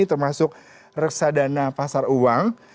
termasuk reksadana pasar uang